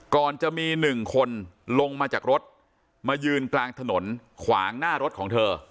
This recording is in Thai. ก่อนจะมีหนึ่งคนลงมาจากรถมายืนกลางถนนขวางหน้ารถของเธอ